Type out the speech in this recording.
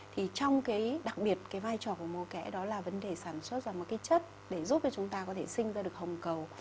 thì trong cái đặc biệt cái vai trò của mô kẽ đó là vấn đề sản xuất ra một cái chất để giúp cho chúng ta có thể sinh ra được hồng cầu